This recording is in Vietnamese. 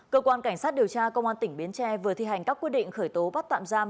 cơ quan cảnh sát điều tra công an tỉnh bến tre vừa thi hành các quyết định khởi tố bắt tạm giam